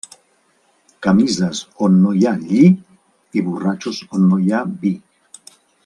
Camises on no hi ha lli i borratxos on no hi ha vi.